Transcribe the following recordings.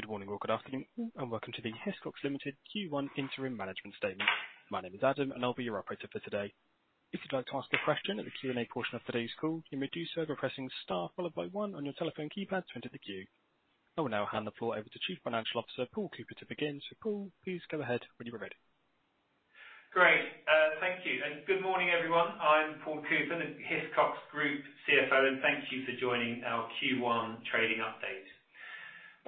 Good morning or good afternoon, and welcome to the Hiscox Ltd Q1 interim management statement. My name is Adam, and I'll be your operator for today. If you'd like to ask a question at the Q&A portion of today's call, you may do so by pressing star followed by one on your telephone keypad to enter the queue. I will now hand the floor over to Chief Financial Officer, Paul Cooper, to begin. Paul, please go ahead when you are ready. Great. Thank you and good morning, everyone. I'm Paul Cooper, the Hiscox Group CFO. Thank you for joining our Q1 trading update.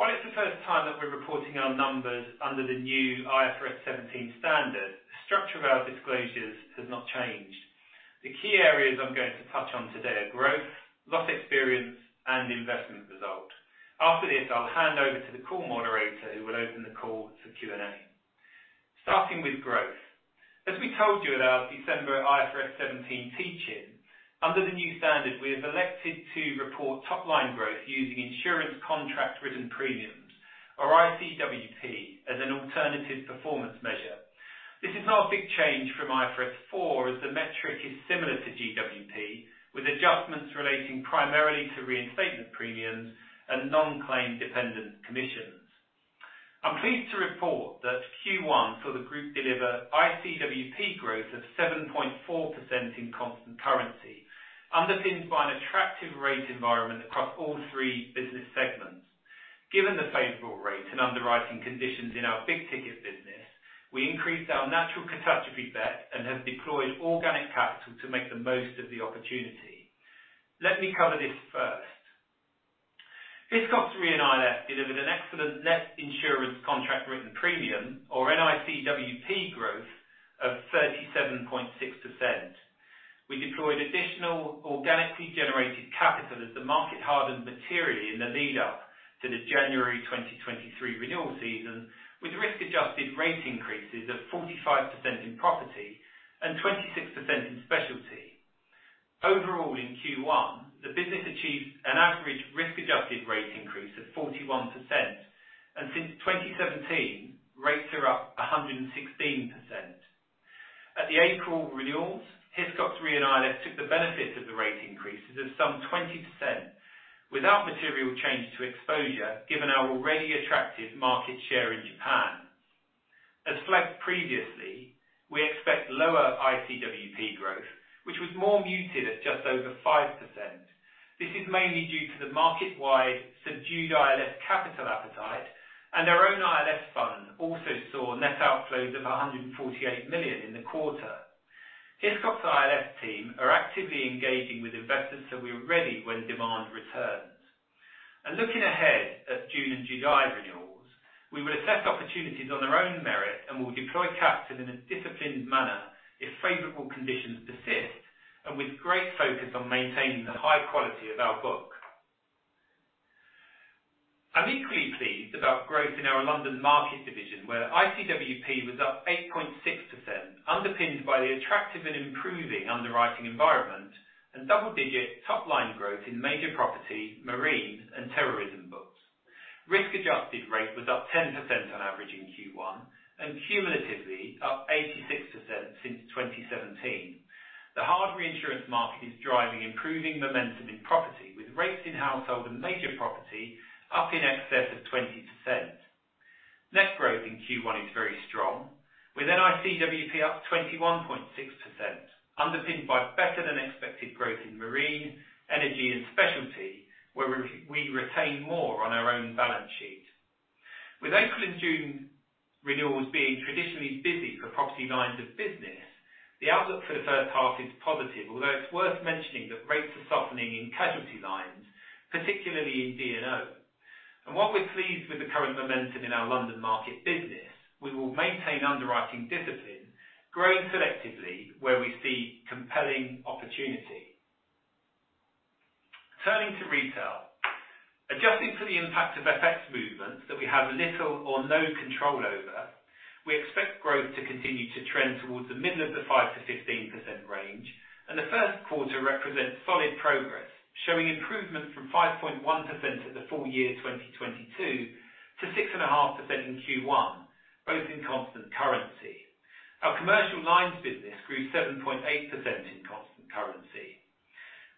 While it's the first time that we're reporting our numbers under the new IFRS 17 standard, the structure of our disclosures has not changed. The key areas I'm going to touch on today are growth, loss experience, and investment result. After this, I'll hand over to the call moderator who will open the call for Q&A. Starting with growth. As we told you at our December IFRS 17 teach-in, under the new standard, we have elected to report top-line growth using insurance contract written premiums, or ICWP, as an alternative performance measure. This is not a big change from IFRS 4, as the metric is similar to GWP, with adjustments relating primarily to reinstatement premiums and non-claim dependent commissions. I'm pleased to report that Q1 for the Group delivered ICWP growth of 7.4% in constant currency, underpinned by an attractive rate environment across all three business segments. Given the favorable rate and underwriting conditions in our big ticket business, we increased our natural catastrophe bet and have deployed organic capital to make the most of the opportunity. Let me cover this first. Hiscox Re & ILS delivered an excellent net insurance contract written premium, or NICWP growth, of 37.6%. We deployed additional organically generated capital as the market hardened materially in the lead up to the January 2023 renewal season, with risk-adjusted rate increases of 45% in property and 26% in specialty. Overall, in Q1, the business achieved an average risk-adjusted rate increase of 41%. Since 2017 rates are up 116%. At the April renewals, Hiscox Re & ILS took the benefit of the rate increases of some 20% without material change to exposure given our already attractive market share in Japan. As flagged previously, we expect lower ICWP growth, which was more muted at just over 5%. This is mainly due to the market-wide subdued ILS capital appetite and our own ILS fund also saw net outflows of $148 million in the quarter. Hiscox ILS team are actively engaging with investors, so we're ready when demand returns. Looking ahead at June and July renewals, we will assess opportunities on their own merit and will deploy capital in a disciplined manner if favorable conditions persist and with great focus on maintaining the high quality of our book. I'm equally pleased about growth in our London Market division, where ICWP was up 8.6%, underpinned by the attractive and improving underwriting environment and double-digit top-line growth in major property, marine, and terrorism books. Risk-adjusted rate was up 10% on average in Q1, and cumulatively up 86% since 2017. The hard reinsurance market is driving improving momentum in property, with rates in household and major property up in excess of 20%. Net growth in Q1 is very strong, with NICWP up 21.6%, underpinned by better than expected growth in marine, energy, and specialty, where we retain more on our own balance sheet. With April and June renewals being traditionally busy for property lines of business, the outlook for the first half is positive. It's worth mentioning that rates are softening in casualty lines, particularly in D&O. While we're pleased with the current momentum in our London Market business, we will maintain underwriting discipline, growing selectively where we see compelling opportunity. Turning to Retail. Adjusting to the impact of FX movements that we have little or no control over, we expect growth to continue to trend towards the middle of the 5%-15% range, and the first quarter represents solid progress, showing improvement from 5.1% at the full year 2022 to 6.5% in Q1, both in constant currency. Our commercial lines business grew 7.8% in constant currency.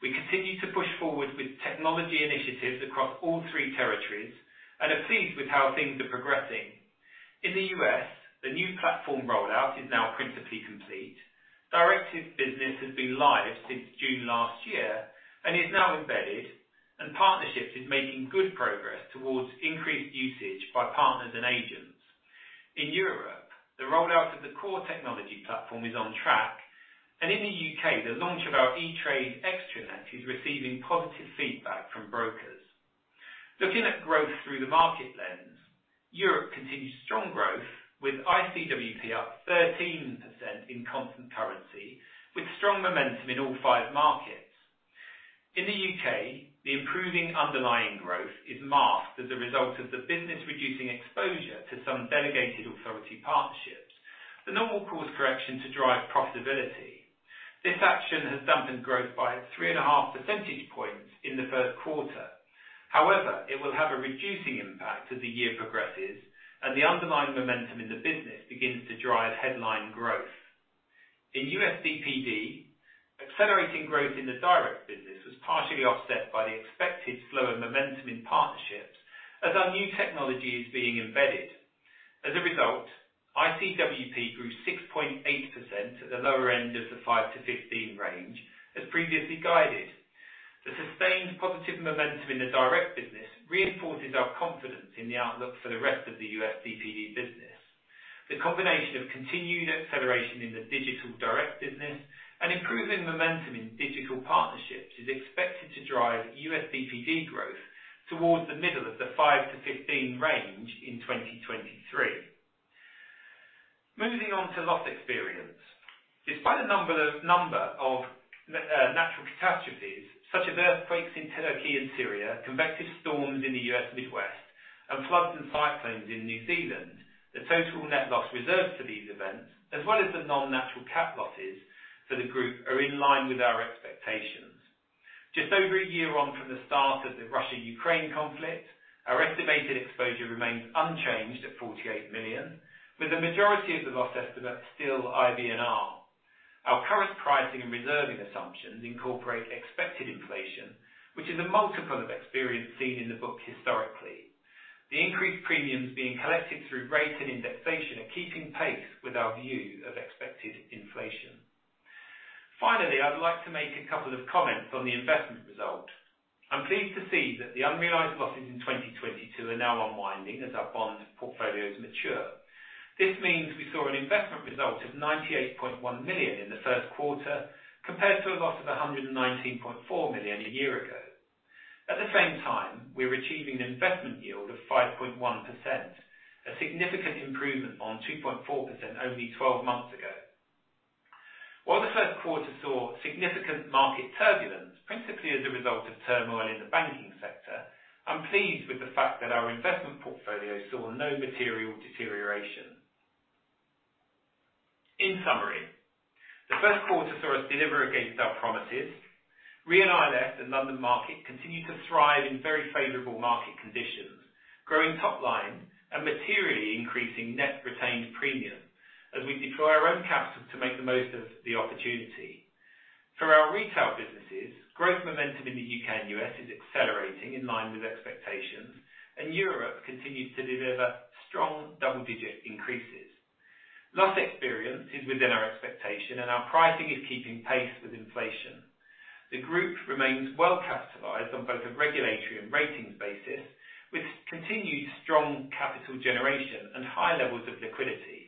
We continue to push forward with technology initiatives across all three territories and are pleased with how things are progressing. In the U.S., the new platform rollout is now principally complete. Directed business has been live since June last year and is now embedded. Partnerships is making good progress towards increased usage by partners and agents. In Europe, the rollout of the core technology platform is on track. In the U.K., the launch of our eTrade extranet is receiving positive feedback from brokers. Looking at growth through the market lens, Europe continues strong growth with ICWP up 13% in constant currency, with strong momentum in all five markets. In the U.K., the improving underlying growth is masked as a result of the business reducing exposure to some delegated authority partnerships. The normal course correction to drive profitability. This action has dampened growth by 3.5 percentage points in the first quarter. It will have a reducing impact as the year progresses and the underlying momentum in the business begins to drive headline growth. In USDPD, accelerating growth in the direct business was partially offset by the expected slower momentum in partnerships as our new technology is being embedded. As a result, ICWP grew 6.8% at the lower end of the 5%-15% range, as previously guided. The sustained positive momentum in the direct business reinforces our confidence in the outlook for the rest of the USDPD business. The combination of continued acceleration in the digital direct business and improving momentum in digital partnerships is expected to drive USDPD growth towards the middle of the 5%-15% range in 2023. Moving on to loss experience. Despite a number of natural catastrophes such as earthquakes in Turkey and Syria, convective storms in the US Midwest, and floods and cyclones in New Zealand, the total net loss reserved for these events, as well as the non-natural cat losses for the group, are in line with our expectations. Just over a year on from the start of the Russia-Ukraine conflict, our estimated exposure remains unchanged at $48 million, with the majority of the loss estimates still IBNR. Our current pricing and reserving assumptions incorporate expected inflation, which is a multiple of experience seen in the book historically. The increased premiums being collected through rate and indexation are keeping pace with our view of expected inflation. Finally, I would like to make a couple of comments on the investment result. I'm pleased to see that the unrealized losses in 2022 are now unwinding as our bond portfolios mature. This means we saw an investment result of $98.1 million in the first quarter, compared to a loss of $119.4 million a year ago. At the same time, we're achieving an investment yield of 5.1%, a significant improvement on 2.4% only 12 months ago. While the first quarter saw significant market turbulence, principally as a result of turmoil in the banking sector, I'm pleased with the fact that our investment portfolio saw no material deterioration. In summary, the first quarter saw us deliver against our promises. Re & ILS and London Market continue to thrive in very favorable market conditions, growing top line and materially increasing net retained premium as we deploy our own capital to make the most of the opportunity. For our retail businesses, growth momentum in the U.K. and U.S. is accelerating in line with expectations. Europe continues to deliver strong double-digit increases. Loss experience is within our expectation. Our pricing is keeping pace with inflation. The group remains well capitalized on both a regulatory and ratings basis, with continued strong capital generation and high levels of liquidity.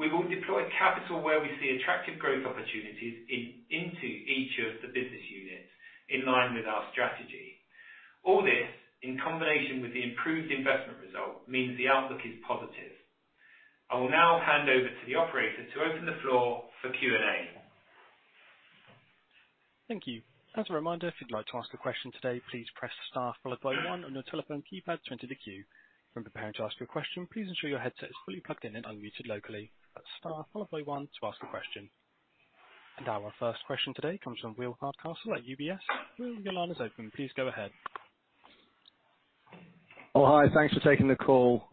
We will deploy capital where we see attractive growth opportunities into each of the business units in line with our strategy. All this, in combination with the improved investment result, means the outlook is positive. I will now hand over to the operator to open the floor for Q&A. Thank you. As a reminder, if you'd like to ask a question today, please press star followed by one on your telephone keypad to enter the queue. When preparing to ask your question, please ensure your headset is fully plugged in and unmuted locally. That's star followed by one to ask a question. Our first question today comes from Will Hardcastle at UBS. Will, your line is open. Please go ahead. Hi. Thanks for taking the call.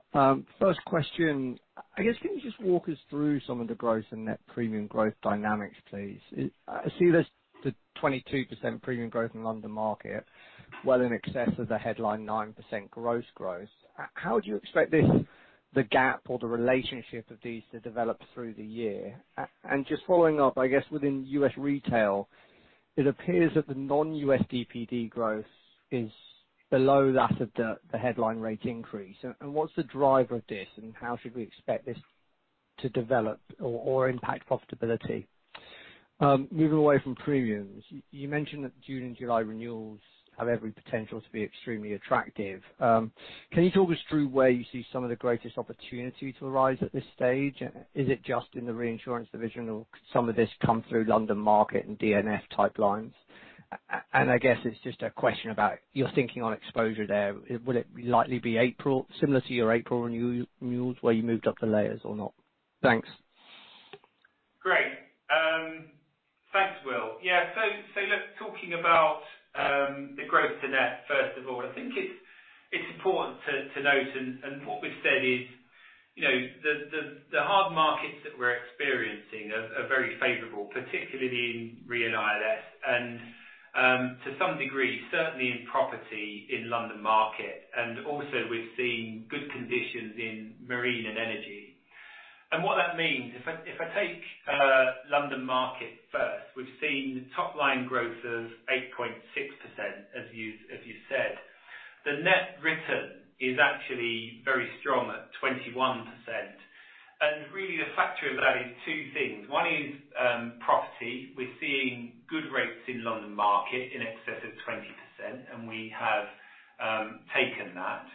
First question. I guess, can you just walk us through some of the growth and net premium growth dynamics, please? I see there's the 22% premium growth in London Market, well in excess of the headline 9% gross growth. How do you expect this, the gap or the relationship of these to develop through the year? Just following up, I guess within US retail, it appears that the non-USDPD growth is below that of the headline rate increase. What's the driver of this, and how should we expect this to develop or impact profitability? Moving away from premiums, you mentioned that June and July renewals have every potential to be extremely attractive. Can you talk us through where you see some of the greatest opportunity to arise at this stage? Is it just in the reinsurance division, or could some of this come through London Market and DNF type lines? I guess it's just a question about your thinking on exposure there. Will it likely be April, similar to your April renewals, where you moved up the layers or not? Thanks. Great. Thanks, Will. Talking about the growth to net, first of all, I think it's important to note, and what we've said is, you know, the hard markets that we're experiencing are very favorable, particularly in Re & ILS, and to some degree, certainly in property in London Market, and also we've seen good conditions in marine and energy. What that means, if I take London Market first, we've seen top line growth of 8.6%, as you said. The net written is actually very strong at 21%. Really the factor of that is two things. One is property. We're seeing good rates in London Market in excess of 20%, and we have taken that.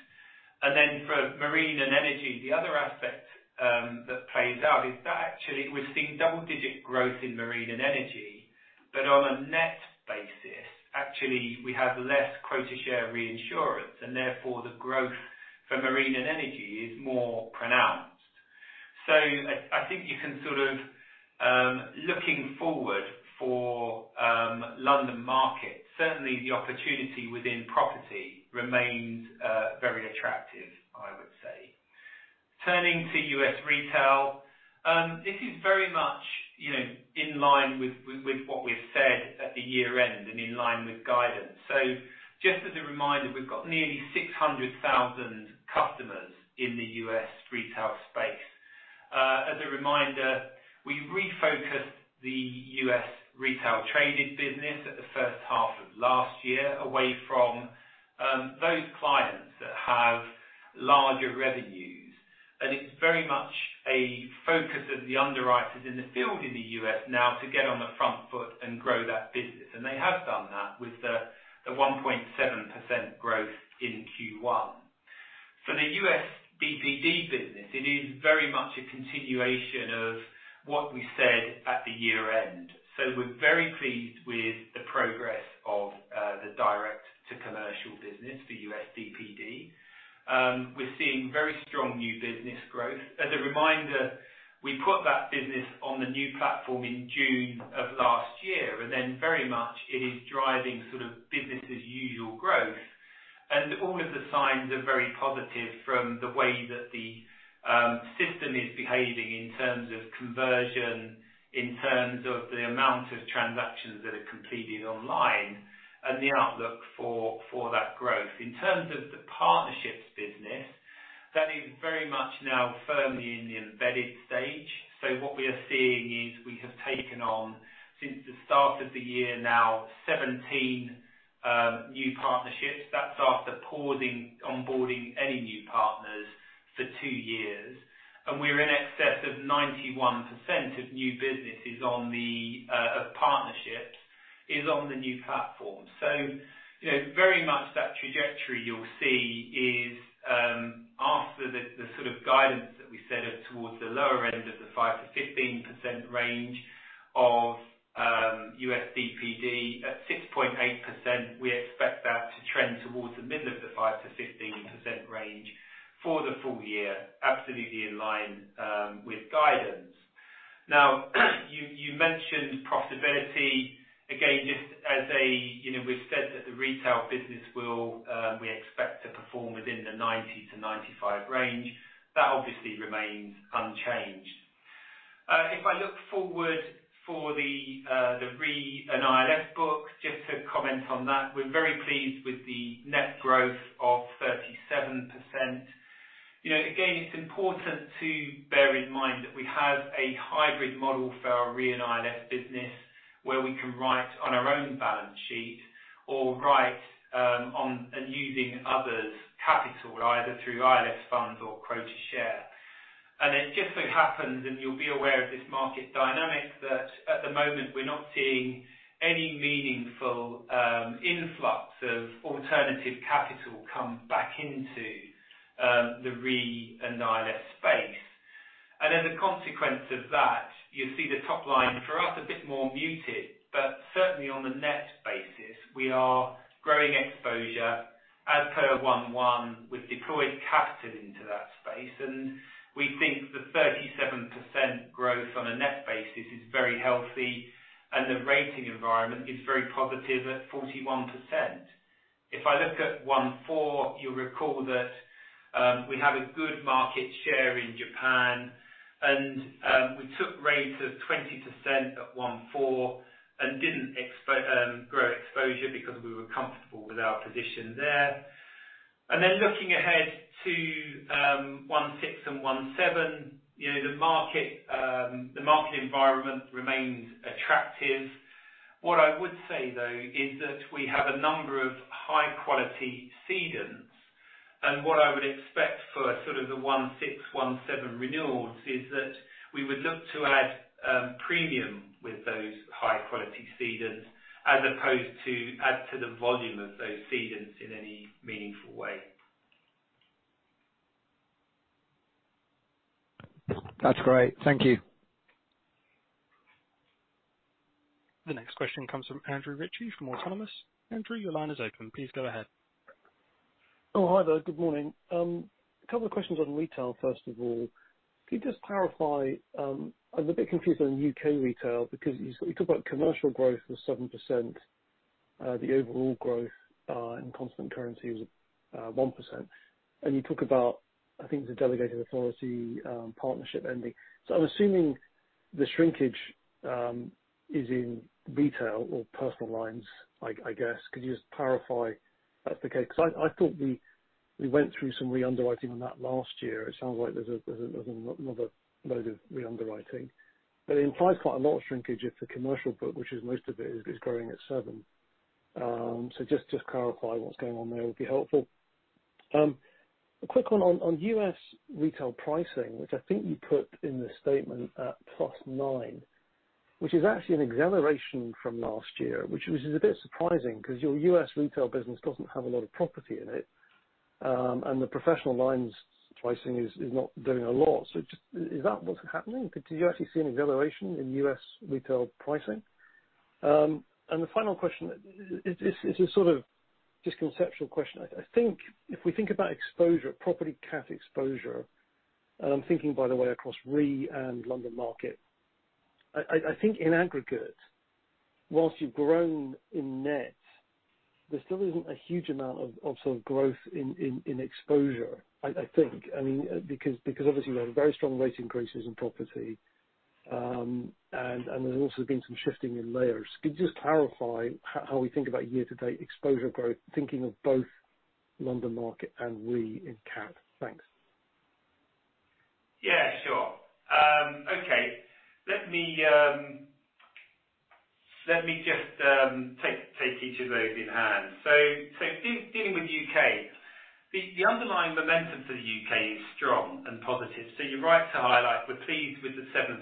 For marine and energy, the other aspect that plays out is that actually we're seeing double-digit growth in marine and energy, but on a net basis, actually we have less quota share reinsurance, and therefore the growth for marine and energy is more pronounced. You can sort of, looking forward for London Market, certainly the opportunity within property remains very attractive, I would say. Turning to US Retail, this is very much, you know, in line with what we've said at the year-end and in line with guidance. We've got nearly 600,000 customers in the US Retail space. As a reminder, we refocused the US Retail traded business at the first half of last year away from those clients that have larger revenues. It's very much a focus of the underwriters in the field in the US now to get on the front foot and grow that business. They have done that with the 1.7% growth in Q1. For the US DPD business, it is very much a continuation of what we said at the year-end. We're very pleased with the progress of the direct-to-commercial business, the US DPD. We're seeing very strong new business growth. As a reminder, we put that business on the new platform in June of last year, very much it is driving sort of business as usual growth. All of the signs are very positive from the way that the system is behaving in terms of conversion, in terms of the amount of transactions that are completed online and the outlook for that growth. In terms of the partnerships business, that is very much now firmly in the embedded stage. What we are seeing is we have taken on, since the start of the year now, 17 new partnerships. That's after pausing onboarding any new partners for 2 years. We're in excess of 91% of new businesses on the of partnerships, is on the new platform. You know, very much that trajectory you'll see is after the the sort of guidance that we set up towards the lower end of the 5%-15% range of US DPD. At 6.8%, we expect that to trend towards the middle of the 5%-15% range for the full year, absolutely in line with guidance. You mentioned profitability. Again, just as a, you know, we've said that the retail business will, we expect to perform within the 90%-95% range. That obviously remains unchanged. If I look forward for the Re & ILS book, just to comment on that, we're very pleased with the net growth of 37%. You know, again, it's important to bear in mind that we have a hybrid model for our Re & ILS business where we can write on our own balance sheet or write on and using others' capital, either through ILS funds or quota share. It just so happens, and you'll be aware of this market dynamic, that at the moment we're not seeing any meaningful influx of alternative capital come back into the Re & ILS space. The consequence of that, you see the top line for us a bit more muted, but certainly on the net basis we are growing exposure. As per 1/1, we've deployed capital into that space, and we think the 37% growth on a net basis is very healthy, and the rating environment is very positive at 41%. If I look at 1/4, you'll recall that we have a good market share in Japan and we took rates of 20% at 1/4 and didn't grow exposure because we were comfortable with our position there. Looking ahead to 1/6 and 1/7, you know, the market environment remains attractive. What I would say, though, is that we have a number of high-quality cedents, and what I would expect for sort of the 1/6, 1/7 renewals is that we would look to add premium with those high-quality cedents as opposed to add to the volume of those cedents in any meaningful way. That's great. Thank you. The next question comes from Andrew Ritchie from Autonomous. Andrew, your line is open. Please go ahead. Hi there. Good morning. A couple of questions on Retail, first of all. Could you just clarify, I'm a bit confused on UK Retail because you talk about commercial growth was 7%, the overall growth in constant currency was 1%. You talk about, I think, the delegated authority partnership ending. I'm assuming the shrinkage is in Retail or personal lines, I guess. Could you just clarify if that's the case? Because I thought we went through some reunderwriting on that last year. It sounds like there's another load of reunderwriting. It implies quite a lot of shrinkage if the commercial book, which is most of it, is growing at 7%. Just clarify what's going on there would be helpful. A quick one on US retail pricing, which I think you put in the statement at +9%, which is actually an acceleration from last year, which was a bit surprising 'cause your US retail business doesn't have a lot of property in it, and the professional lines pricing is not doing a lot. Just, is that what's happening? Do you actually see an acceleration in US retail pricing? And the final question, it's a sort of just conceptual question. I think if we think about exposure, property cat exposure, and I'm thinking, by the way, across re and London Market. I think in aggregate, whilst you've grown in net, there still isn't a huge amount of sort of growth in exposure. I mean, because obviously we have very strong rate increases in property, and there's also been some shifting in layers. Could you just clarify how we think about year-to-date exposure growth, thinking of both London Market and Re in cat? Thanks. Yeah, sure. Okay. Let me, let me just, take each of those in hand. Dealing with U.K., the underlying momentum for the U.K. is strong and positive. You're right to highlight we're pleased with the 7%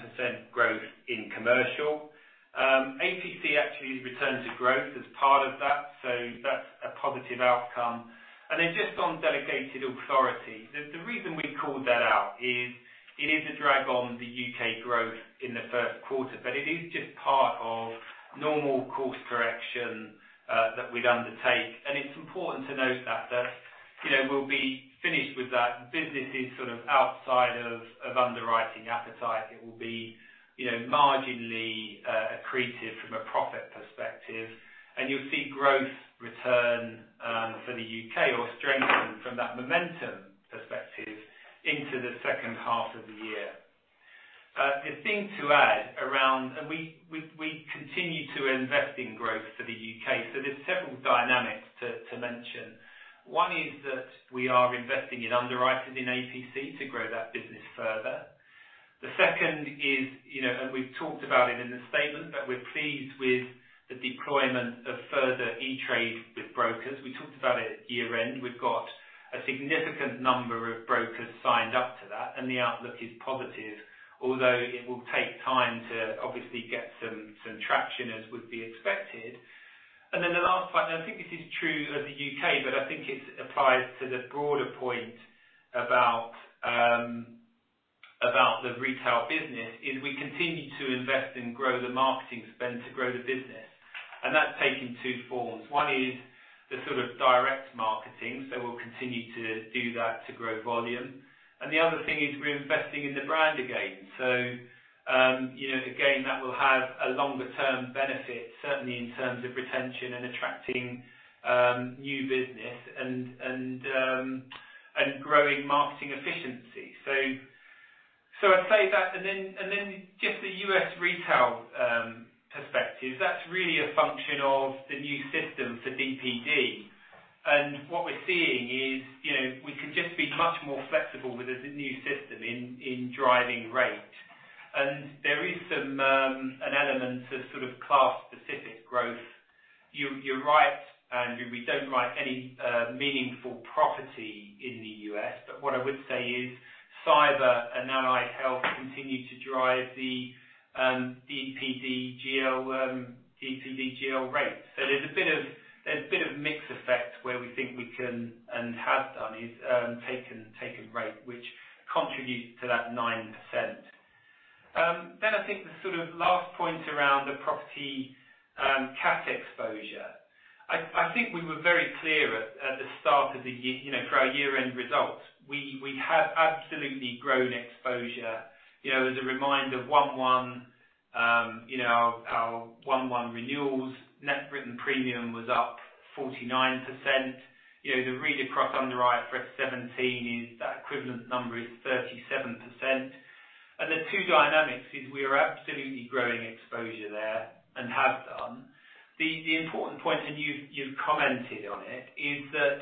growth in commercial. APC actually has returned to growth as part of that, so that's a positive outcome. Just on delegated authority, the reason we called that out is it is a drag on the U.K. growth in the first quarter, but it is just part of normal course correction that we'd undertake. It's important to note that, you know, we'll be finished with that. Business is sort of outside of underwriting appetite. It will be, you know, marginally accretive from a profit perspective, and you'll see growth return for the U.K. or strengthen from that momentum perspective into the second half of the year. The thing to add around... We continue to invest in growth for the U.K., so there's several dynamics to mention. One is that we are investing in underwriters in APC to grow that business further. The second is, you know, we've talked about it in the statement, but we're pleased with the deployment of further eTrade with brokers. We talked about it at year-end. We've got a significant number of brokers signed up to that, and the outlook is positive, although it will take time to obviously get some traction, as would be expected. The last point, and I think this is true of the U.K., but I think it applies to the broader point about the retail business, is we continue to invest and grow the marketing spend to grow the business. That's taking two forms. One is the sort of direct marketing, so we'll continue to do that to grow volume. The other thing is we're investing in the brand again. You know, again, that will have a longer term benefit, certainly in terms of retention and attracting new business and growing marketing efficiency. I'd say that. Then just the U.S. retail perspective, that's really a function of the new system for DPD. What we're seeing is, you know, we can just be much more flexible with the new system driving rate. There is some an element of sort of class specific growth. You're right, Andrew, we don't write any meaningful property in the US, but what I would say is cyber and allied health continue to drive the DPD GL rates. There's a bit of mix effect where we think we can, and have done, is taken rate, which contributes to that 9%. I think the sort of last point around the property cat exposure. I think we were very clear at the start of the year-end results. We have absolutely grown exposure. You know, as a reminder, 1/1, you know, our 1/1 renewals, net written premium was up 49%. You know, the read across under IFRS 17 is that equivalent number is 37%. The two dynamics is we are absolutely growing exposure there and have done. The important point, and you've commented on it, is that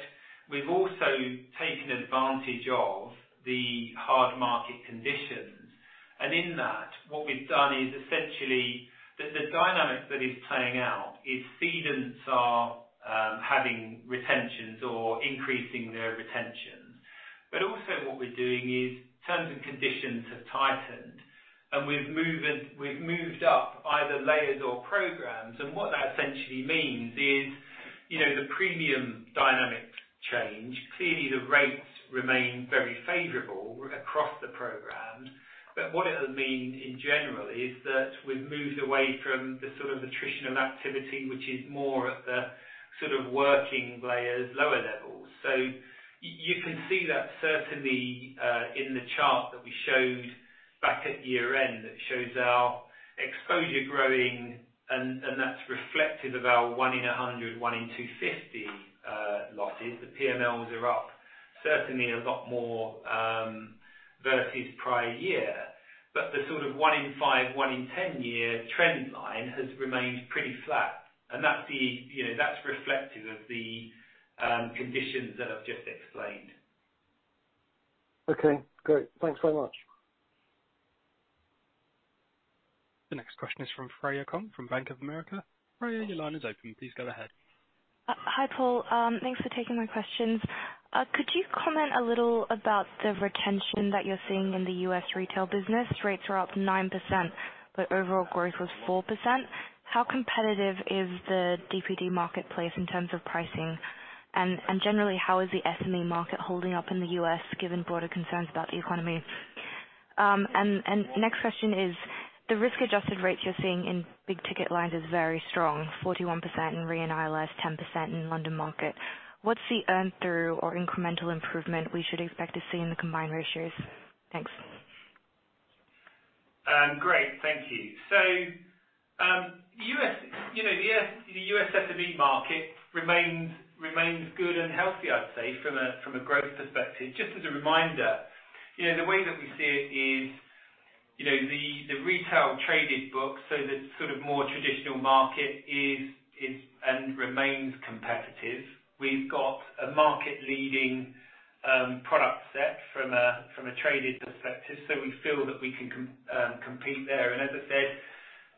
we've also taken advantage of the hard market conditions. In that, what we've done is essentially. The dynamic that is playing out is cedents are having retentions or increasing their retentions. Also what we're doing is terms and conditions have tightened and we've moved up either layers or programs. What that essentially means is, you know, the premium dynamics change. Clearly, the rates remain very favorable across the programs. What it'll mean in general is that we've moved away from the sort of attritional activity, which is more at the sort of working layers, lower levels. You can see that certainly, in the chart that we showed back at year-end, that shows our exposure growing, and that's reflective of our 1 in 100, 1 in 250, losses. The P&Ls are up, certainly a lot more, versus prior year. The sort of 1 in 5, 1 in 10-year trend line has remained pretty flat. You know, that's reflective of the conditions that I've just explained. Okay, great. Thanks very much. The next question is from Freya Kong from Bank of America. Freya, your line is open. Please go ahead. Hi, Paul. Thanks for taking my questions. Could you comment a little about the retention that you're seeing in the US retail business? Rates are up 9%, but overall growth was 4%. How competitive is the DPD marketplace in terms of pricing? Generally, how is the SME market holding up in the US, given broader concerns about the economy? Next question is, the risk-adjusted rates you're seeing in big ticket lines is very strong, 41% in Re & ILS, 10% in London Market. What's the earn through or incremental improvement we should expect to see in the combined ratios? Thanks. Great. Thank you. So you know, the US SME market remains good and healthy, I'd say, from a growth perspective. Just as a reminder, you know, the way that we see it is, you know, the retail traded book, so the sort of more traditional market is, and remains competitive. We've got a market leading product set from a traded perspective. We feel that we can compete there. As I said,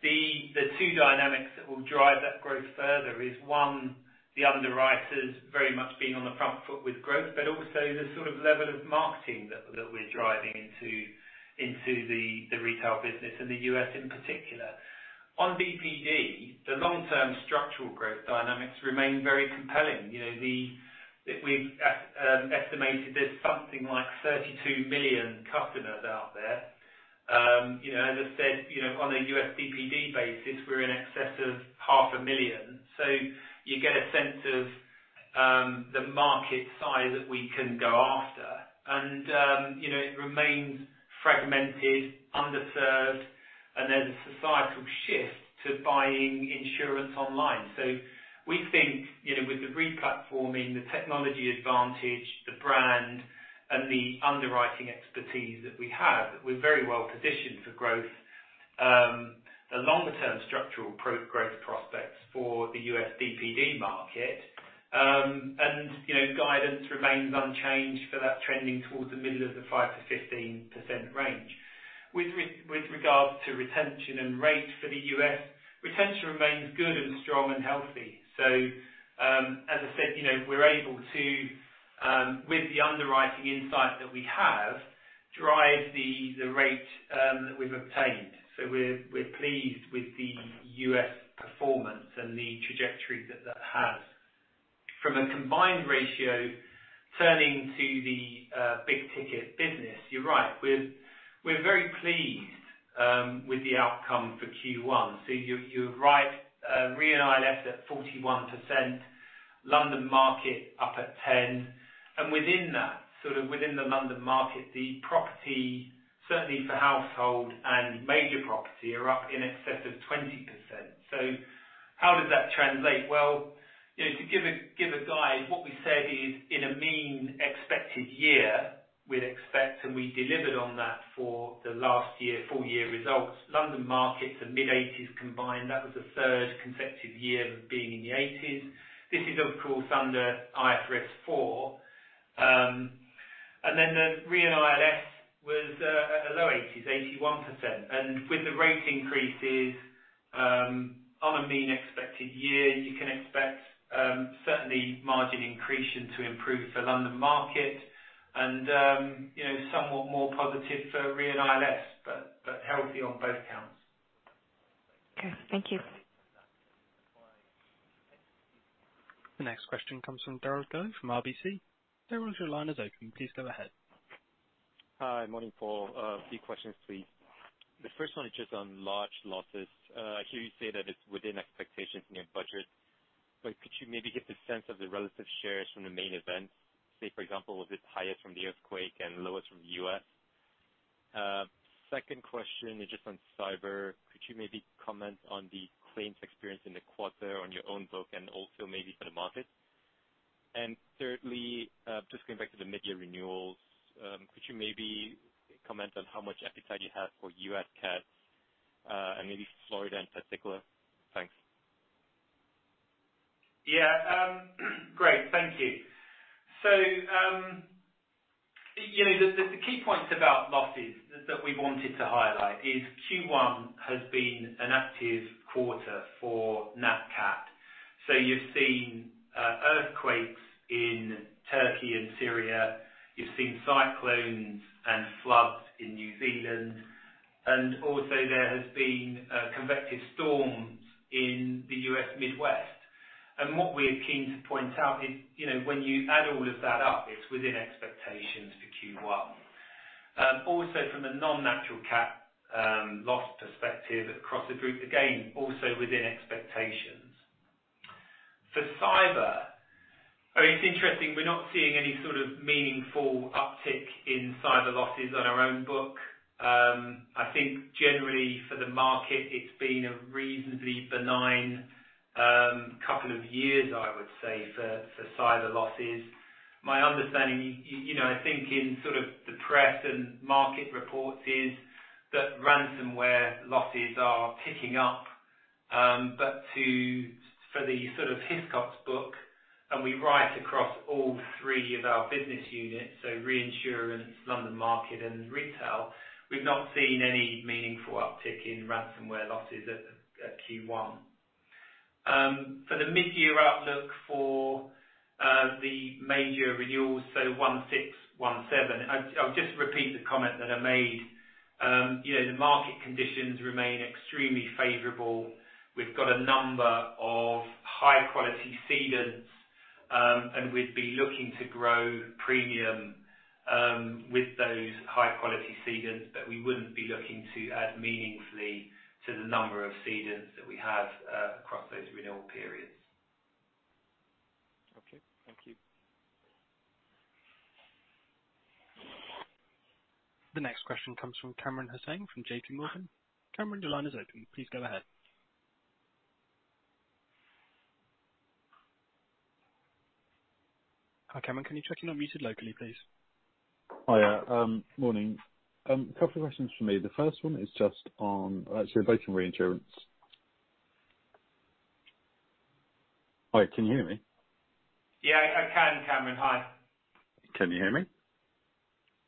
the two dynamics that will drive that growth further is one, the underwriters very much being on the front foot with growth, but also the sort of level of marketing that we're driving into the retail business in the U.S. in particular. On DPD, the long-term structural growth dynamics remain very compelling. You know, the We've estimated there's something like $32 million customers out there. You know, as I said, you know, on a US DPD basis, we're in excess of $0.5 million. You get a sense of the market size that we can go after. You know, it remains fragmented, underserved, and there's a societal shift to buying insurance online. We think, you know, with the re-platforming, the technology advantage, the brand, and the underwriting expertise that we have, that we're very well positioned for growth. The longer term structural pro-growth prospects for the US DPD market. You know, guidance remains unchanged for that trending towards the middle of the 5%-15% range. With regards to retention and rate for the US, retention remains good and strong and healthy. As I said, you know, we're able to, with the underwriting insight that we have, drive the rate that we've obtained. We're pleased with the US performance and the trajectory that that has. From a combined ratio, turning to the big ticket business, you're right. We're very pleased with the outcome for Q1. You're right. ReILS at 41%, London Market up at 10. Within that, sort of within the London Market, the property, certainly for household and major property, are up in excess of 20%. How does that translate? Well, you know, to give a guide, what we said is in a mean expected year, we'd expect, and we delivered on that for the last year, full year results. London Market are mid-80s combined. That was the third consecutive year of being in the 80s. This is of course under IFRS 4. The ReILS was low 80s, 81%. With the rate increases, on a mean expected year, you can expect certainly margin increase to improve for London Market and, you know, somewhat more positive for ReILS, but healthy on both counts. Okay, thank you. The next question comes from Darryl Tong from RBC. Darryl, your line is open. Please go ahead. Hi. Morning, Paul. A few questions, please. The first one is just on large losses. I hear you say that it's within expectations in your budget, but could you maybe give the sense of the relative shares from the main events? Say, for example, was it highest from the earthquake and lowest from the U.S.? Second question is just on cyber. Could you maybe comment on the claims experience in the quarter on your own book and also maybe for the market? Thirdly, just going back to the mid-year renewals, could you maybe comment on how much appetite you have for US cats, and maybe Florida in particular? Thanks. Yeah. Great. Thank you. You know, the key points about losses that we wanted to highlight is Q1 has been an active quarter for nat cat. You've seen earthquakes in Turkey and Syria. You've seen cyclones and floods in New Zealand. Also there has been convective storms in the US Midwest. What we are keen to point out is, you know, when you add all of that up, it's within expectations for Q1. Also from a non-natural cat loss perspective across the group, again, also within expectations. For cyber, I mean, it's interesting, we're not seeing any sort of meaningful uptick in cyber losses on our own book. I think generally for the market, it's been a reasonably benign couple of years, I would say, for cyber losses. My understanding, you know, I think in sort of the press and market reports is that ransomware losses are picking up. But for the sort of Hiscox book, and we write across all three of our business units, so reinsurance, London Market, and retail, we've not seen any meaningful uptick in ransomware losses at Q1. For the mid-year outlook for the major renewals, so 1/6, 1/7. I'll just repeat the comment that I made. You know, the market conditions remain extremely favorable. We've got a number of high-quality cedents, and we'd be looking to grow premium with those high-quality cedents. We wouldn't be looking to add meaningfully to the number of cedents that we have across those renewal periods. Okay, thank you. The next question comes from Kamran Hossain from JPMorgan. Kamran, your line is open. Please go ahead. Hi, Kamran, can you check you're not muted locally, please? Hiya. morning. a couple of questions from me. The first one is just on actually, both in reinsurance... Hi, can you hear me? Yeah, I can Kamran. Hi. Can you hear me?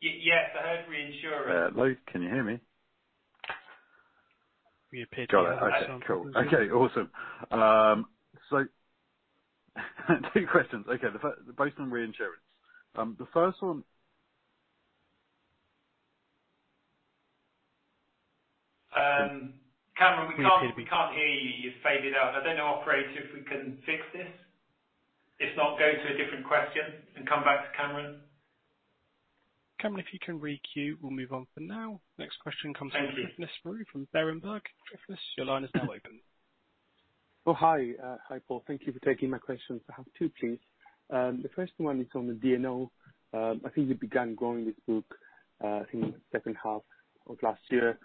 Yes, I heard reinsurer. Can you hear me? We appear to Got it. Okay, cool. Okay, awesome. 2 questions. Okay. Based on reinsurance. The first one- Kamran, we can't hear you. You faded out. I don't know, operator, if we can fix this. If not, go to a different question and come back to Kamran. Kamran, if you can re-queue, we'll move on for now. Next question comes from- Thank you. Tryfonas Spyrou from Berenberg. Tryfonas, your line is now open. Oh, hi. Hi, Paul. Thank you for taking my questions. I have two, please. The first one is on the D&O. I think you began growing this book, I think in the second half of last year.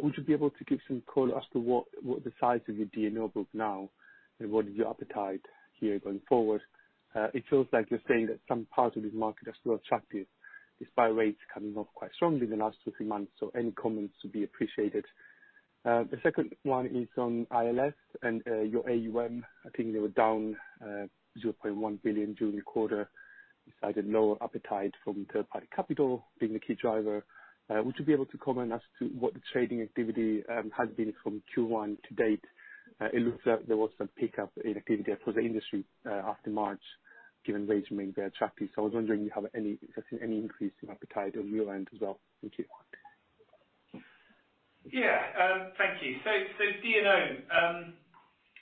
Would you be able to give some color as to what the size of your D&O book now, and what is your appetite here going forward? It feels like you're saying that some parts of this market are still attractive, despite rates coming off quite strongly in the last 2, 3 months. Any comments would be appreciated. The second one is on ILS and your AUM. I think they were down $0.1 billion during the quarter. Decided lower appetite from third-party capital being the key driver. Would you be able to comment as to what the trading activity has been from Q1 to date? It looks like there was some pickup in activity there for the industry after March, given rates remain very attractive. I was wondering if you have any, if there's been any increase in appetite on your end as well, Q1? Thank you. D&O,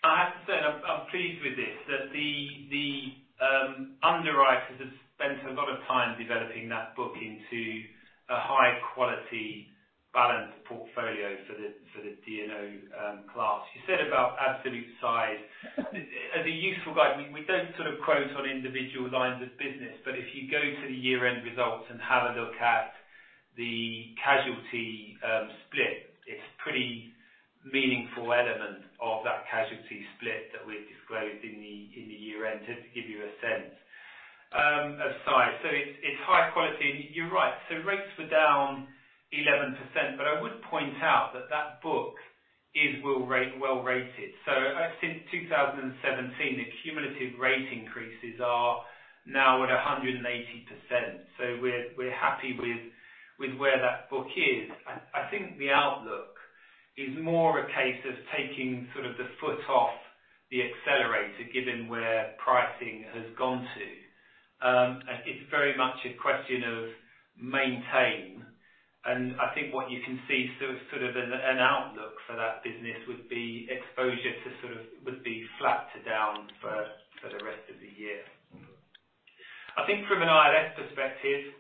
I have to say I'm pleased with this, that the underwriters have spent a lot of time developing that book into a high quality balanced portfolio for the D&O class. You said about absolute size. As a useful guide, we don't sort of quote on individual lines of business, but if you go to the year-end results and have a look at the casualty split, it's pretty meaningful element of that casualty split that we've disclosed in the year-end, to give you a sense of size. It's high quality. You're right. Rates were down 11%. I would point out that that book is well rated. Since 2017, the cumulative rate increases are now at 180%. We're happy with where that book is. I think the outlook is more a case of taking sort of the foot off the accelerator, given where pricing has gone to. It's very much a question of maintain. I think what you can see sort of as an outlook for that business would be exposure to sort of would be flat to down for the rest of the year. I think from an ILS perspective,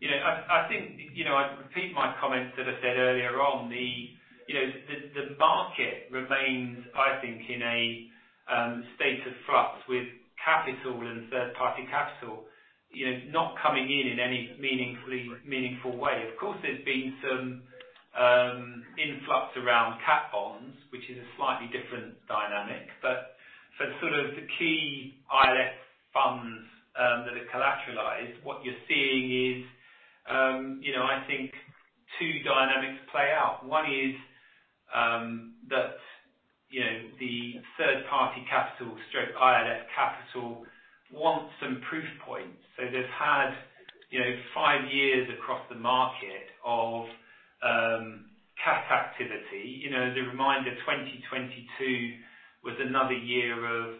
you know, I think, you know, I repeat my comments that I said earlier on. You know, the market remains, I think, in a state of flux with capital and third-party capital, you know, not coming in in any meaningful way. Of course, there's been some influx around cat bonds, which is a slightly different dynamic. For sort of the key ILS funds, that are collateralized, what you're seeing is, you know, I think two dynamics play out. One is, that, you know, the third-party capital stroke ILS capital wants some proof points. They've had, you know, five years across the market of, cat activity. You know, the reminder, 2022 was another year of,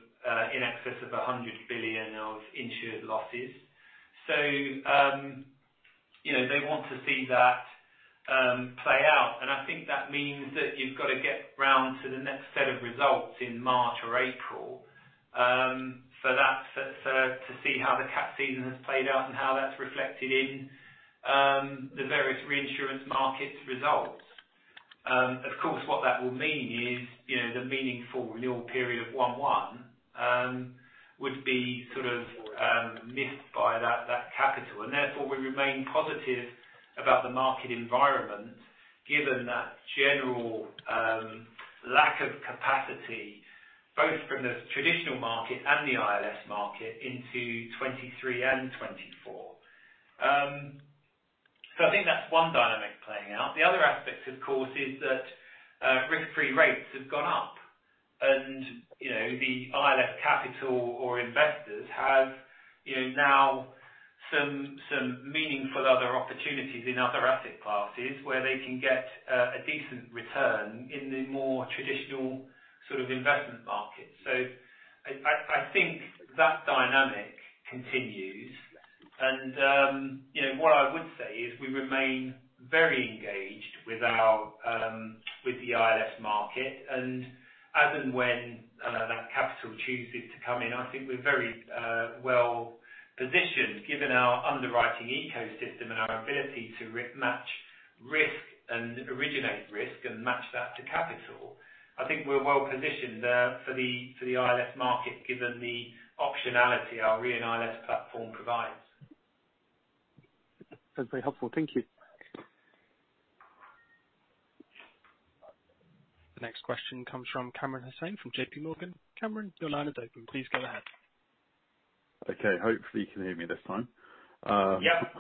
in excess of $100 billion of insured losses. They want to see that, play out. I think that means that you've got to get round to the next set of results in March or April, for that set so to see how the cat season has played out and how that's reflected in, the various reinsurance markets results. Of course, what that will mean is, you know, the meaningful renewal period of 1/1 would be sort of missed by that capital. Therefore, we remain positive about the market environment, given that general lack of capacity, both from the traditional market and the ILS market, into 2023 and 2024. I think that's one dynamic playing out. The other aspect, of course, is that risk-free rates have gone up. You know, the ILS capital or investors have, you know, now some meaningful other opportunities in other asset classes where they can get a decent return in the more traditional sort of investment markets. I think that dynamic continues. You know, what I would say is we remain very engaged with our with the ILS market. As and when that capital chooses to come in, I think we're very well-positioned, given our underwriting ecosystem and our ability to match risk and originate risk and match that to capital. I think we're well positioned for the ILS market, given the optionality our Re & ILS platform provides. That's very helpful. Thank you. The next question comes from Kamran Hossain from JPMorgan. Kamran, your line is open. Please go ahead. Okay. Hopefully you can hear me this time. Yep.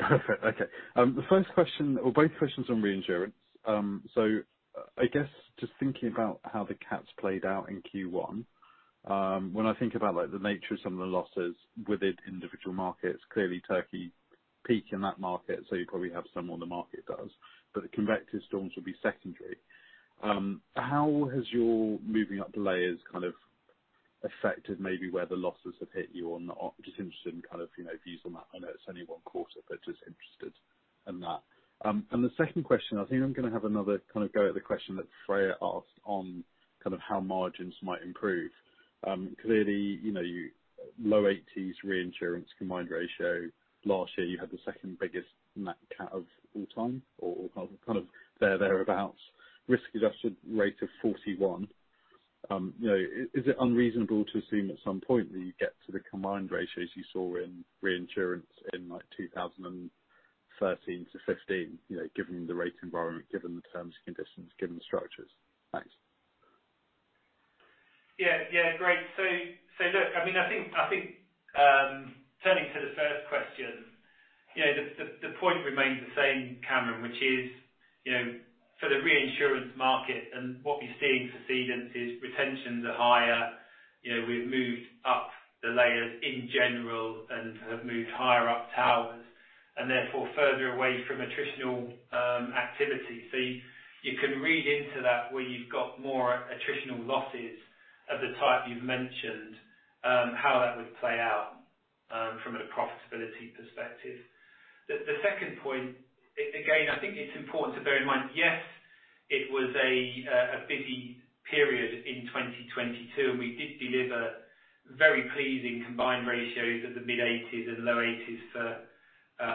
Perfect. Okay. The first question or both questions on reinsurance. I guess just thinking about how the cats played out in Q1. When I think about, like, the nature of some of the losses within individual markets, clearly Turkey peak in that market, so you probably have some on the market does, but the convective storms will be secondary. How has your moving up the layers kind of affected maybe where the losses have hit you or not? Just interested in kind of, you know, views on that. I know it's only one quarter, but just interested in that. The second question, I think I'm gonna have another kind of go at the question that Freya asked on kind of how margins might improve. Clearly, you know, you low 80s reinsurance combined ratio. Last year you had the second biggest nat cat of all time, or kind of there or thereabouts. Risk-adjusted rate of 41. you know, is it unreasonable to assume at some point that you get to the combined ratios you saw in reinsurance in, like, 2013-2015? You know, given the rate environment, given the terms and conditions, given the structures. Thanks. Yeah. Yeah. Great. Look, I mean, I think, turning to the first question, you know, the point remains the same, Kamran, which is, you know, for the reinsurance market and what we're seeing for cedents is retentions are higher. You know, we've moved up the layers in general and have moved higher up towers and therefore further away from attritional activity. You can read into that, where you've got more attritional losses of the type you've mentioned, how that would play out from a profitability perspective. The second point, again, I think it's important to bear in mind, yes, it was a busy period in 2022, and we did deliver very pleasing combined ratios at the mid-80s and low 80s for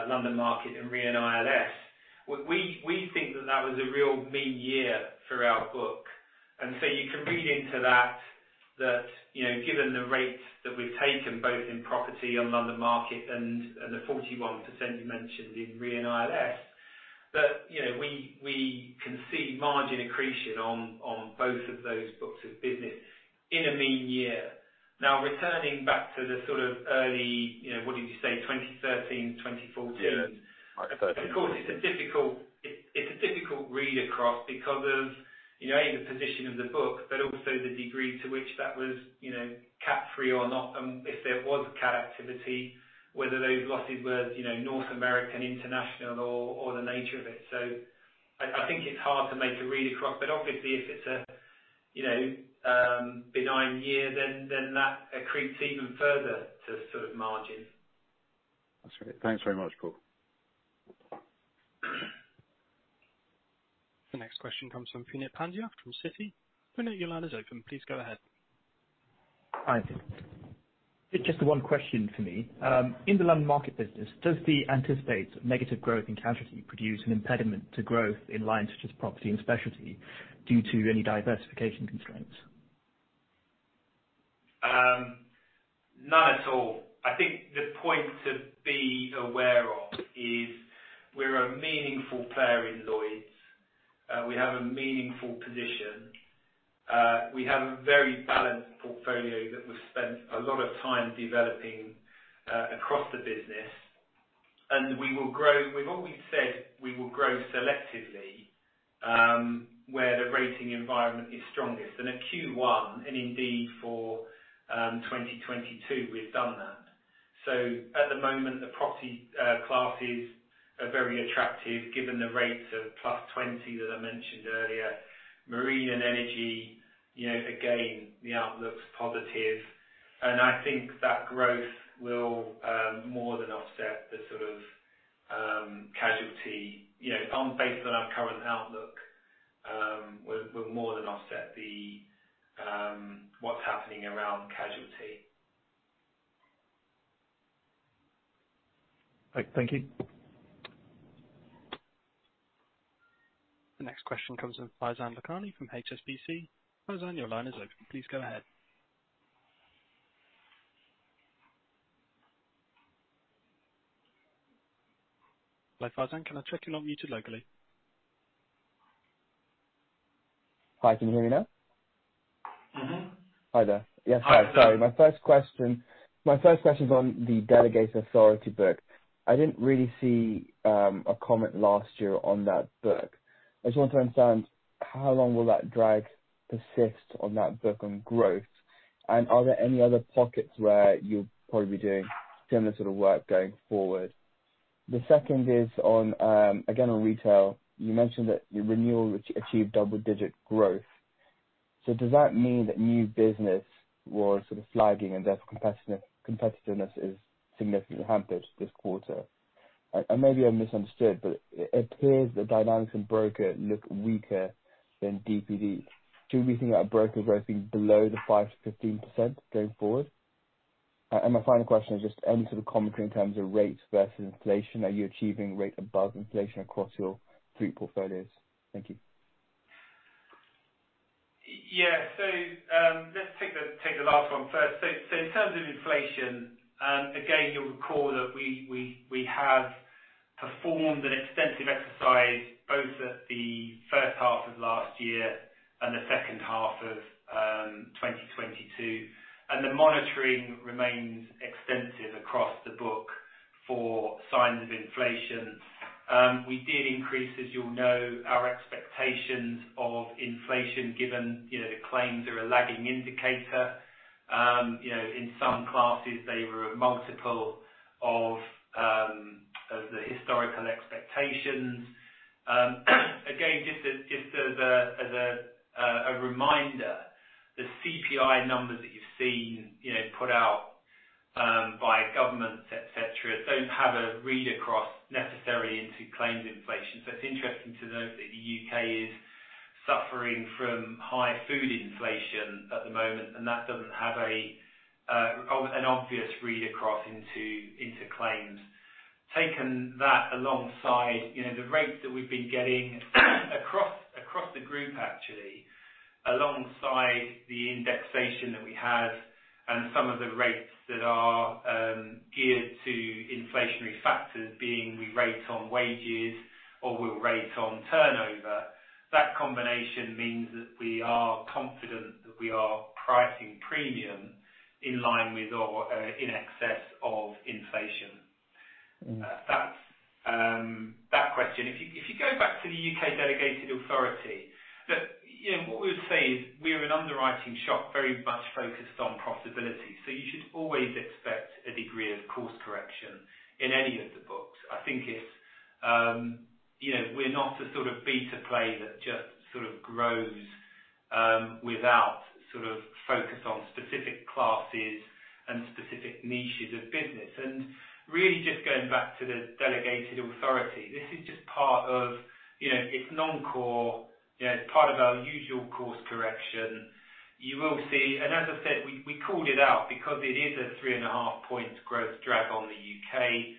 London Market and Re & ILS. We think that that was a real mean year for our book. You can read into that, you know, given the rates that we've taken both in property and London Market and the 41% you mentioned in Re & ILS, that, you know, we can see margin accretion on both of those books of business in a mean year. Returning back to the sort of early, you know, what did you say, 2013, 2014. Yeah. Of course, it's a difficult, it's a difficult read across because of, you know, A, the position of the book, but also the degree to which that was, you know, cat free or not. If there was cat activity, whether those losses were, you know, North American International or the nature of it. I think it's hard to make a read across. Obviously, if it's a, you know, benign year, then that accretes even further to sort of margin. That's great. Thanks very much, Paul. The next question comes from Puneet Pandya from Citi. Puneet, your line is open. Please go ahead. Hi. It's just one question for me. In the London Market business, does the anticipate negative growth in casualty produce an impediment to growth in lines such as property and specialty due to any diversification constraints? None at all. I think the point to be aware of is we're a meaningful player in Lloyd's. We have a meaningful position. We have a very balanced portfolio that we've spent a lot of time developing across the business. We've always said we will grow selectively where the rating environment is strongest. At Q1 and indeed for 2022, we've done that. At the moment, the property classes are very attractive given the rates of +20 that I mentioned earlier. Marine and energy, you know, again, the outlook's positive. I think that growth will more than offset the sort of casualty. You know, based on our current outlook, we'll more than offset the what's happening around casualty. Thank you. The next question comes in from Faizan Lakhani from HSBC. Farzan, your line is open. Please go ahead. Hello, Farzan, can I check you're not muted locally? Hi, can you hear me now? Mm-hmm. Hi there. Yes. Hi. Sorry, my first question is on the delegated authority book. I didn't really see a comment last year on that book. I just want to understand how long will that drag persist on that book on growth, and are there any other pockets where you'll probably be doing similar sort of work going forward? The second is on again, on retail. You mentioned that your renewal achieved double-digit growth. Does that mean that new business was sort of flagging and therefore competitiveness is significantly hampered this quarter? Maybe I misunderstood, but it appears the dynamics in broker look weaker than DPD. Should we think about brokers writing below the 5%-15% going forward? My final question is just any sort of commentary in terms of rates versus inflation. Are you achieving rates above inflation across your three portfolios? Thank you. Let's take the last one first. In terms of inflation, again, you'll recall that we have performed an extensive exercise both at the first half of last year and the second half of 2022, and the monitoring remains extensive across the book for signs of inflation. We did increase, as you'll know, our expectations of inflation given, you know, the claims are a lagging indicator. you know, in some classes they were a multiple of the historical expectations. again, just as a reminder, the CPI numbers that you've seen, you know, put out by governments, et cetera, don't have a read across necessary into claims inflation. It's interesting to note that the U.K. is suffering from high food inflation at the moment, and that doesn't have an obvious read across into claims. Taking that alongside, you know, the rates that we've been getting across the group actually, alongside the indexation that we have and some of the rates that are geared to inflationary factors being we rate on wages or we'll rate on turnover, that combination means that we are confident that we are pricing premium in line with or in excess of inflation. Mm. That's that question. If you, if you go back to the U.K. delegated authority, look, you know, what we would say is we're an underwriting shop very much focused on profitability. You should always expect a degree of course correction in any of the books. I think it's, you know, we're not the sort of beta play that just sort of grows without sort of focus on specific classes and specific niches of business. Really just going back to the delegated authority, this is just part of, you know, it's non-core, you know, it's part of our usual course correction. You will see. As I said, we called it out because it is a 3.5 points growth drag on the U.K.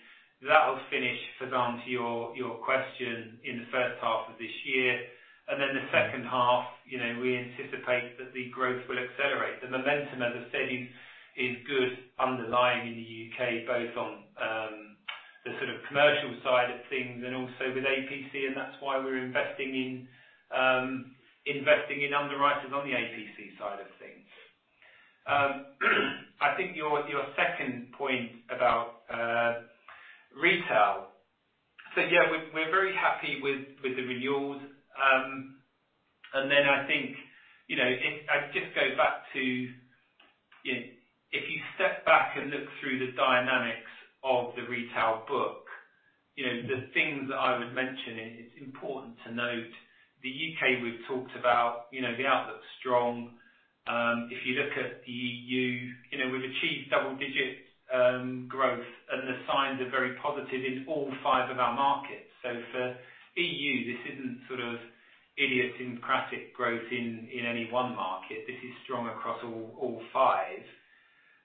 That will finish, Faizan, to your question, in the first half of this year. The second half, you know, we anticipate that the growth will accelerate. The momentum, as I said, is good underlying in the U.K. both on the sort of commercial side of things and also with APC, and that's why we're investing in investing in underwriters on the APC side of things. I think your second point about retail. Yeah, we're very happy with the renewals. I think, you know, if I just go back to, you know, if you step back and look through the dynamics of the retail book, you know, the things that I would mention, it's important to note the U.K. we've talked about, you know, the outlook's strong. If you look at the EU, you know, we've achieved double digits growth, and the signs are very positive in all five of our markets. For EU, this isn't sort of idiosyncratic growth in any one market. This is strong across all five.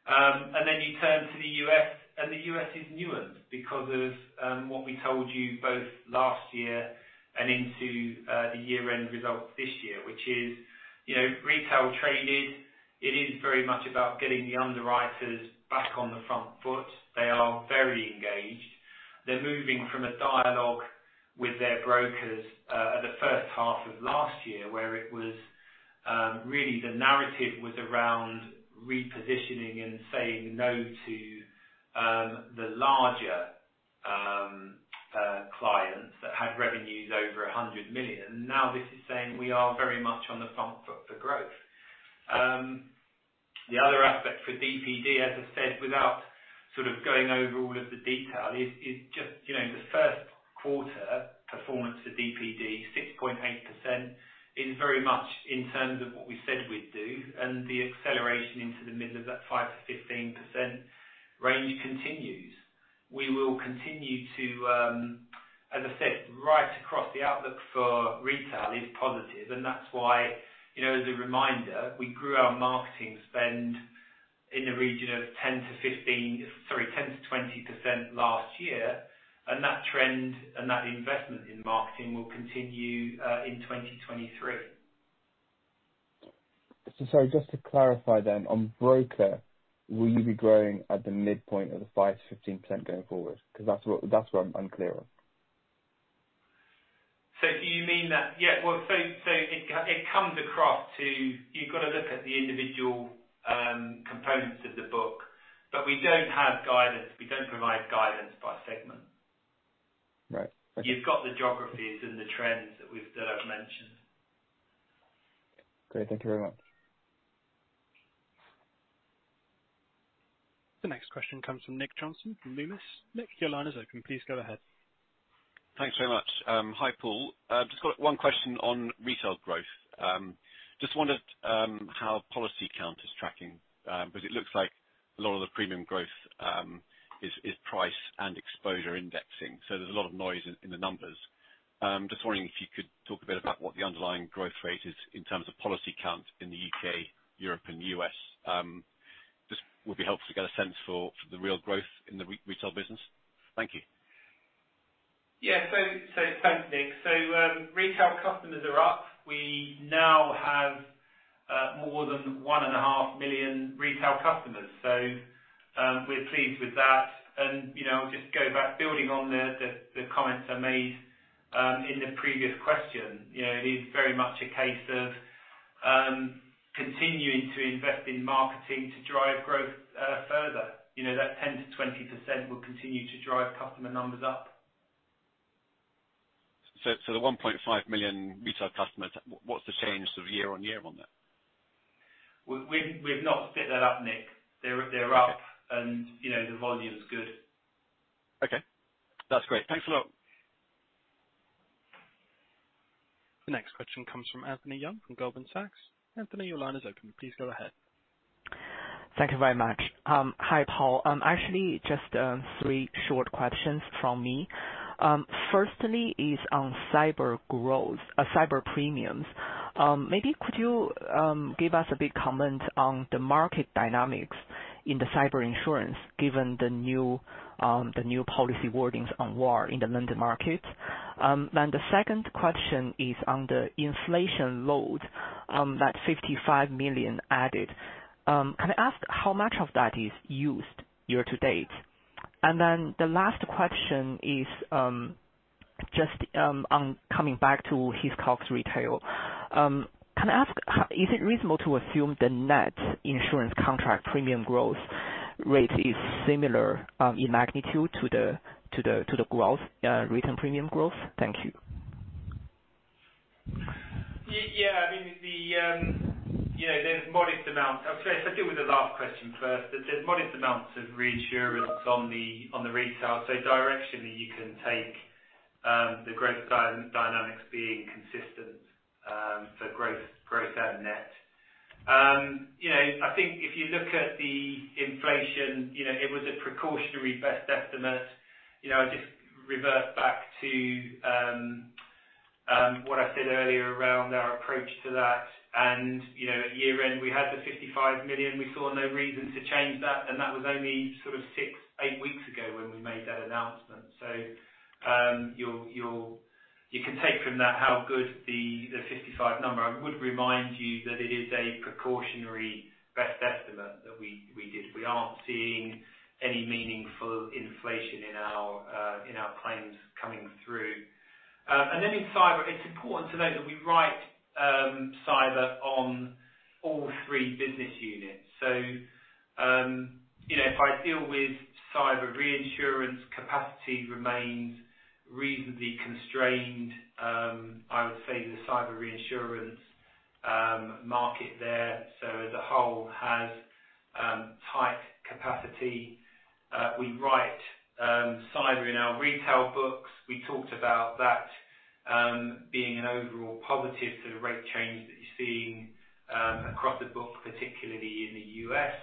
Then you turn to the US, and the US is nuanced because of what we told you both last year and into the year-end results this year, which is, you know, retail traded. It is very much about getting the underwriters back on the front foot. They are very engaged. They're moving from a dialogue with their brokers at the first half of last year, where it was really the narrative was around repositioning and saying no to the larger clients that had revenues over $100 million. Now this is saying we are very much on the front foot for growth. The other aspect for DPD, as I said, without sort of going over all of the detail, is just, you know, the first quarter performance for DPD, 6.8%, is very much in terms of what we said we'd do, and the acceleration into the middle of that 5%-15% range continues. We will continue to, as I said, right across, the outlook for retail is positive, and that's why, you know, as a reminder, we grew our marketing spend in the region of 10%-15%... Sorry, 10%-20% last year. That trend and that investment in marketing will continue in 2023. Sorry, just to clarify then, on broker, will you be growing at the midpoint of the 5%-15% going forward? 'Cause that's what I'm unclear of. Do you mean that? Yeah. Well, it comes across to, you've got to look at the individual components of the book. We don't have guidance, we don't provide guidance by segment. Right. Okay. You've got the geographies and the trends that I've mentioned. Great. Thank you very much. The next question comes from Nick Johnson from Numis. Nick, your line is open. Please go ahead. Thanks very much. Hi, Paul. I've just got one question on retail growth. Just wondered how policy count is tracking because it looks like a lot of the premium growth is price and exposure indexing. There's a lot of noise in the numbers. Just wondering if you could talk a bit about what the underlying growth rate is in terms of policy count in the U.K., Europe and U.S. Just would be helpful to get a sense for the real growth in the re-retail business. Thank you. Yeah. Thanks, Nick. Retail customers are up. We now have more than one and a half million retail customers. We're pleased with that. You know, just to go back, building on the comments I made in the previous question. It is very much a case of continuing to invest in marketing to drive growth further. That 10%-20% will continue to drive customer numbers up. The 1.5 million retail customers, what's the change sort of year-on-year on that? We've not split that up, Nick. They're up-. Okay. You know, the volume is good. Okay. That's great. Thanks a lot. The next question comes from Anthony Yang from Goldman Sachs. Anthony, your line is open. Please go ahead. Thank you very much. Hi, Paul. Actually, just 3 short questions from me. Firstly is on cyber premiums. Maybe could you give us a big comment on the market dynamics in the cyber insurance given the new policy wordings on war in the London Market? The 2nd question is on the inflation load, that $55 million added. Can I ask how much of that is used year to date? The last question is, just on coming back to Hiscox Retail. Can I ask, is it reasonable to assume the net insurance contract premium growth rate is similar in magnitude to the growth written premium growth? Thank you. Yeah. I mean, you know, there's modest amounts. I'll deal with the last question first. There's modest amounts of reinsurance on the retail. Directionally, you can take the growth dynamics being consistent for growth and net. You know, I think if you look at the inflation, you know, it was a precautionary best estimate. You know, I'd just revert back to what I said earlier around our approach to that. You know, at year end, we had the $55 million. We saw no reason to change that, and that was only sort of six, eight weeks ago when we made that announcement. You can take from that how good the $55 number. I would remind you that it is a precautionary best estimate that we did. We aren't seeing any meaningful inflation in our in our claims coming through. In Cyber, it's important to note that we write Cyber on all three business units. You know, if I deal with Cyber reinsurance, capacity remains reasonably constrained. I would say the Cyber reinsurance market there, so as a whole, has tight capacity. We write Cyber in our retail books. We talked about that being an overall positive to the rate change that you're seeing across the book, particularly in the U.S.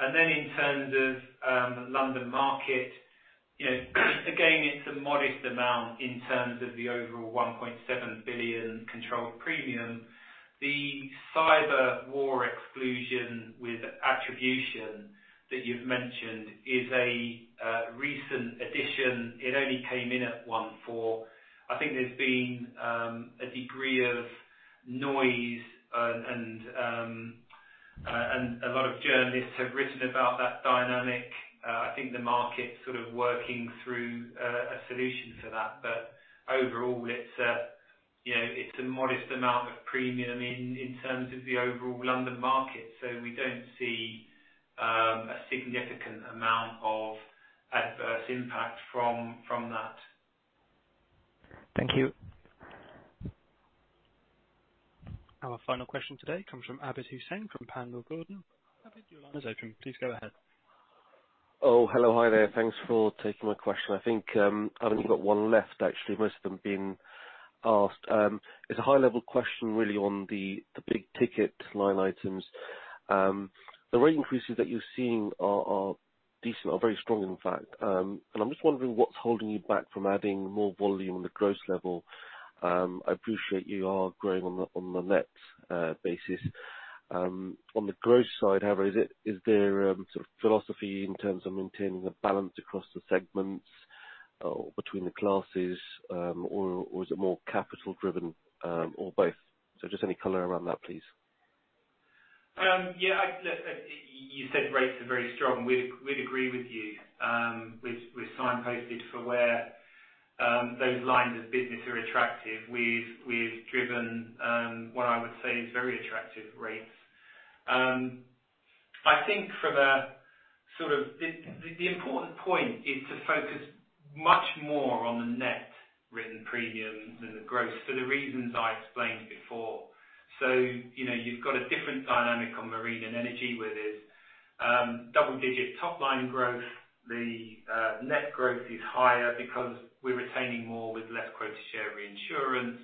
In terms of the London Market, you know, again, it's a modest amount in terms of the overall $1.7 billion controlled premium. The Cyber war exclusion with attribution that you've mentioned is a recent addition. It only came in at 1/4. I think there's been a degree of noise and a lot of journalists have written about that dynamic. I think the market's sort of working through a solution for that. Overall, it's, you know, it's a modest amount of premium in terms of the overall London Market. We don't see a significant amount of adverse impact from that. Thank you. Our final question today comes from Abid Hussain from Panmure Gordon. Abid, your line is open. Please go ahead. Oh, hello. Hi there. Thanks for taking my question. I think, I've only got one left, actually. Most of them been asked. It's a high level question really on the big ticket line items. The rate increases that you're seeing are decent, are very strong in fact. I'm just wondering what's holding you back from adding more volume on the gross level. I appreciate you are growing on the, on the net, basis. On the gross side, however, is there a sort of philosophy in terms of maintaining a balance across the segments, between the classes, or is it more capital driven, or both? Just any color around that, please. Yeah. You said rates are very strong. We'd agree with you. We've signposted for where those lines of business are attractive. We've driven what I would say is very attractive rates. I think the important point is to focus much more on the net written premiums than the gross for the reasons I explained before. You know, you've got a different dynamic on marine and energy where there's double-digit top line growth. Net growth is higher because we're retaining more with less quota share reinsurance.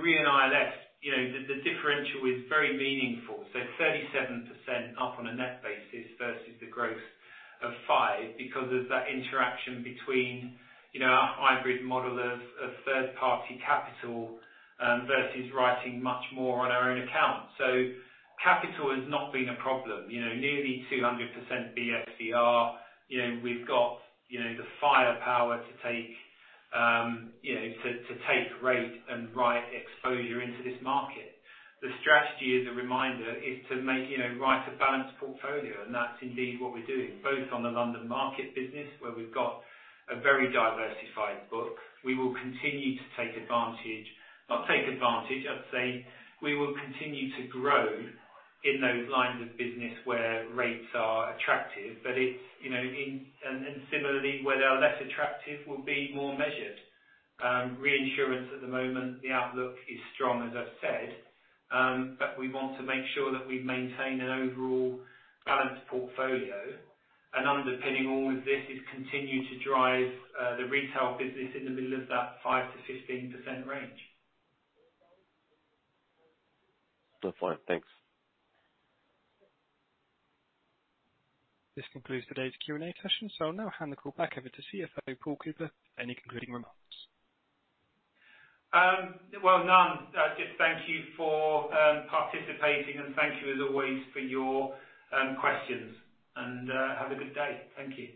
Re & ILS, you know, the differential is very meaningful. Thirty-seven percent up on a net basis versus the growth of 5% because of that interaction between, you know, our hybrid model of third party capital, versus writing much more on our own account. Capital has not been a problem, you know. Nearly 200% BFSR. You know, we've got, you know, the firepower to take, you know, to take rate and write exposure into this market. The strategy, as a reminder, is to make, you know, write a balanced portfolio, and that's indeed what we're doing. Both on the London Market business, where we've got a very diversified book. We will continue to take advantage. Not take advantage. I would say we will continue to grow in those lines of business where rates are attractive. It's, you know, in. Similarly, where they are less attractive, we'll be more measured. Reinsurance at the moment, the outlook is strong, as I've said. We want to make sure that we maintain an overall balanced portfolio. Underpinning all of this is continue to drive the retail business in the middle of that 5%-15% range. Good point. Thanks. This concludes today's Q&A session. I'll now hand the call back over to CFO Paul Cooper. Any concluding remarks? Well, none. Just thank you for participating, and thank you as always for your questions. Have a good day. Thank you.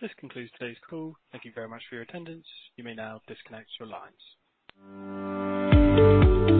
This concludes today's call. Thank you very much for your attendance. You may now disconnect your lines.